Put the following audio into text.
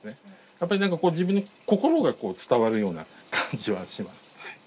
やっぱりなんかこう自分の心が伝わるような感じはします。